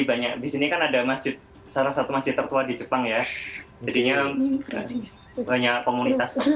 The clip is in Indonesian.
banyak disini kan ada masih salah satu masih tertua di jepang ya jadinya banyak komunitas